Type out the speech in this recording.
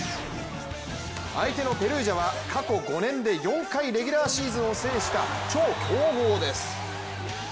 相手のペルージャは過去５年で４回レギュラーシーズンを制した超強豪です。